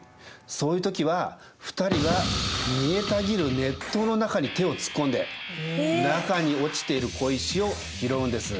そういう時は２人は煮えたぎる熱湯の中に手を突っ込んで中に落ちている小石を拾うんです。